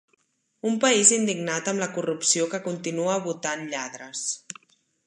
Un país indignat amb la corrupció que continua votant lladres.